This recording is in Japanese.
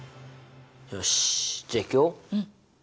よしじゃあいくよ！